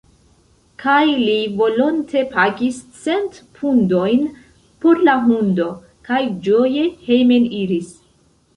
Kaj li volonte pagis cent pundojn por la hundo, kaj ĝoje hejmeniris.